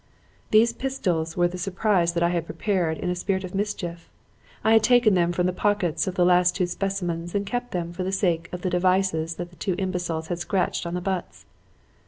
"These pistols were the surprise that I had prepared in a spirit of mischief. I had taken them from the pockets of the last two specimens and kept them for the sake of the devices that those two imbeciles had scratched on the butts.